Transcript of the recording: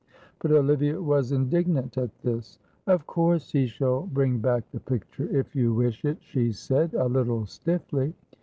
But Olivia was indignant at this. "Of course he shall bring back the picture if you wish it," she said, a little stiffly.